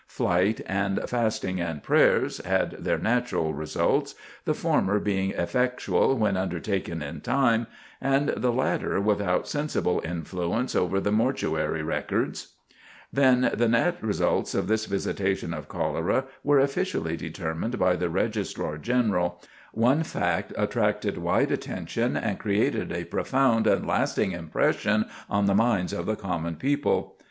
"Flight" and "fasting and prayers" had their natural results, the former being effectual when undertaken in time, and the latter without sensible influence over the mortuary records. [Sidenote: Can Diseases Be Prevented?] Then the net results of this visitation of cholera were officially determined by the Registrar General, one fact attracted wide attention and created a profound and lasting impression on the minds of the common people.